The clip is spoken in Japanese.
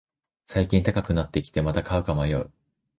最近高くなってきて、また買うか迷う